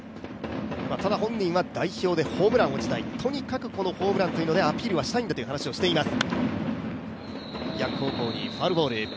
ただ本人は、代表でホームランを打ちたいとにかくこのホームランでアピールをしたいんだという話をしています。